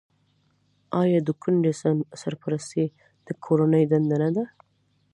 آیا د کونډې سرپرستي د کورنۍ دنده نه ده؟